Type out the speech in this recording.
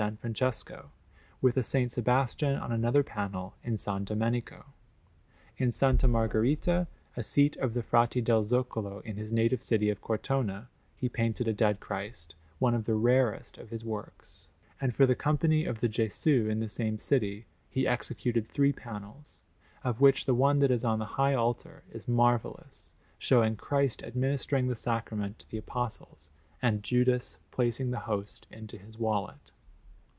Francesco, with a S. Sebastian on another panel in S. Domenico. In S. Margherita, a seat of the Frati del Zoccolo in his native city of Cortona, he painted a Dead Christ, one of the rarest of his works; and for the Company of the Gesù, in the same city, he executed three panels, of which the one that is on the high altar is marvellous, showing Christ administering the Sacrament to the Apostles, and Judas placing the Host into his wallet.